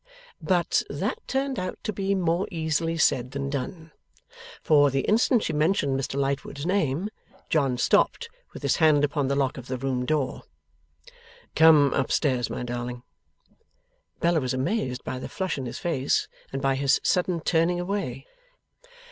But, that turned out to be more easily said than done; for, the instant she mentioned Mr Lightwood's name, John stopped, with his hand upon the lock of the room door. 'Come up stairs, my darling.' Bella was amazed by the flush in his face, and by his sudden turning away.